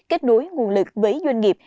kết nối nguồn lực với doanh nghiệp